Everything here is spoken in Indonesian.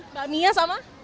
mbak mia sama